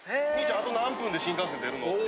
あと何分で新幹線でるのって。